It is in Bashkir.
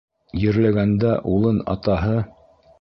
Ерләгәндә улын атаһы.